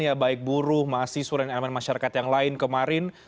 ya baik buruh mahasiswa dan elemen masyarakat yang lain kemarin